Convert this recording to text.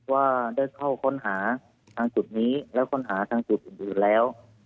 ว่าได้เข้าค้นหาทางจุดนี้และค้นหาทางจุดอื่นแล้ว